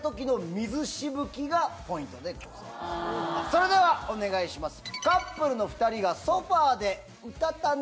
それではお願いします。